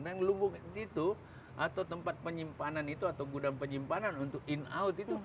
dan lumbung itu atau tempat penyimpanan itu atau gudang penyimpanan untuk in out itu